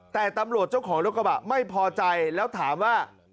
แต่ตำรวจเจ้าของรถกระบะไม่พอใจแล้วถามว่า